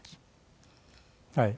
はい。